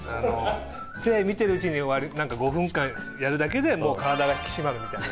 テレビ見てるうちに終わる５分間やるだけでもう体が引き締まるみたいな。